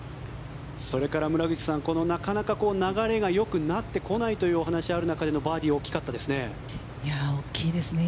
それから村口さん流れがなかなかよくなってこないという話の中でのバーディー、大きかったですね。